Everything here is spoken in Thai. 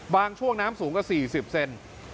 ช่วงน้ำสูงกว่า๔๐เซน